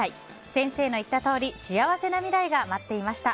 先生の言ったとおり幸せな未来が待っていました。